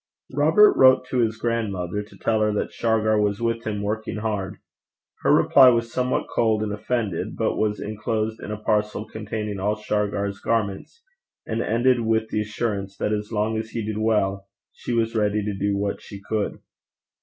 Robert wrote to his grandmother to tell her that Shargar was with him, working hard. Her reply was somewhat cold and offended, but was inclosed in a parcel containing all Shargar's garments, and ended with the assurance that as long as he did well she was ready to do what she could.